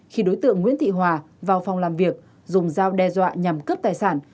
khi đối tượng nguyễn thị hòa vào phòng làm việc dùng dao đe dọa nhằm cướp tài sản